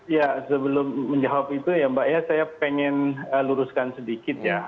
ya sebelum menjawab itu ya mbak ya saya pengen luruskan sedikit ya